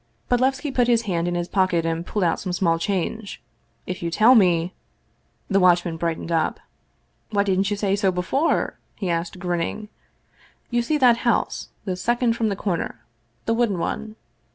Bodlevski put his hand in his pocket and pulled out some small change :" If you tell me " The watchman brightened up. " Why didn't you say so before ?" he asked, grinning. " You see that house, the second from the corner? The wooden one?